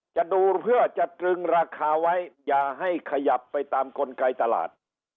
จะดูเพื่อจะตรึงราคาไว้อย่าให้ขยับไปตามกลไกตลาด